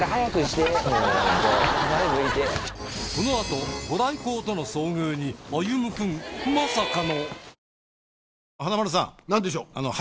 このあとご来光との遭遇にあゆむくんまさかの